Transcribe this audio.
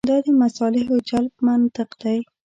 دا د مصالحو جلب منطق دی.